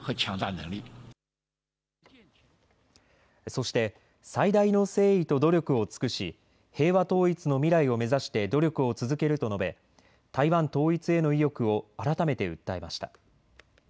そして最大の誠意と努力を尽くし平和統一の未来を目指して努力を続けると述べ、台湾統一への意欲を改めて訴えました。